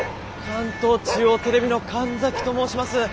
関東中央テレビの神崎と申します。